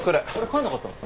帰んなかったの？